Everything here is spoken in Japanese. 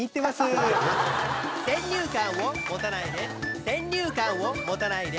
「先入観を持たないで先入観を持たないで」